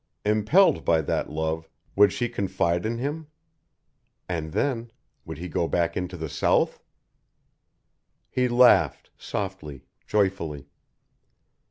Impelled by that love, would she confide in him? And then would he go back into the South? He laughed, softly, joyfully.